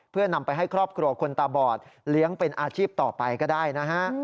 เพื่อนำไปให้ครอบครัวคนตาบอดเลี้ยงเป็นอาชีพต่อไปก็ได้นะฮะ